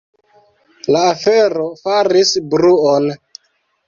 La afero faris bruon.